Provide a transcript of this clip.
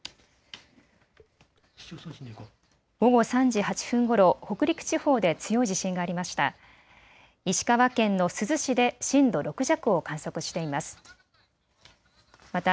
午後３時８分ごろ、北陸地方で強い地震がありました。